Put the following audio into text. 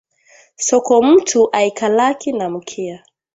Sokomutu aikalaki na mukia